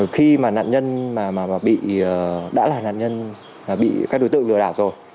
khi mà nạn nhân mà bị đã là nạn nhân mà bị các đối tượng lừa đạp rồi